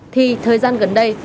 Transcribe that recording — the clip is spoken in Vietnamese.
thì thời gian gần đây